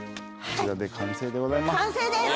こちらで完成でございます完成です